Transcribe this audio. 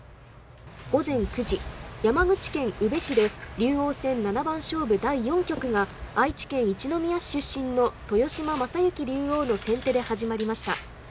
午前９時、山口県宇部市で竜王戦七番勝負第４局が愛知県一宮市出身の豊島将之竜王の先手で始まりました。